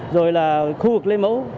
rồi là khu vực lấy mẫu